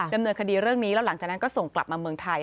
ดำเนินคดีเรื่องนี้แล้วหลังจากนั้นก็ส่งกลับมาเมืองไทย